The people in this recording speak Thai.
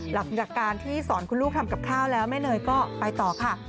หลังจากการที่สอนคุณลูกทำกับข้าวแล้วแม่เนยก็ไปต่อค่ะ